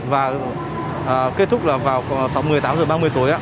và kết thúc là vào sáu một mươi tám giờ ba mươi tối